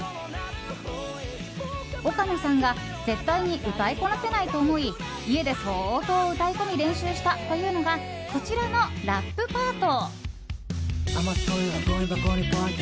岡野さんが絶対に歌いこなせないと思い家で相当歌い込み練習したというのがこちらのラップパート。